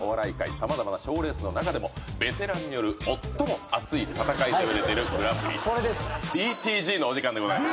様々な賞レースの中でもベテランによる最も熱い戦いといわれているＧＰ。のお時間でございます。